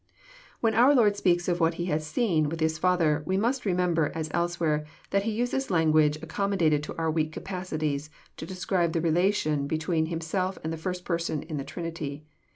When our Lord speaks of what He has " seen " with His Father, we must remember, as elsewhere, that He nses language accommodated to our weak capacities, to describe the relation between Himself and the firat Person in the Trinity.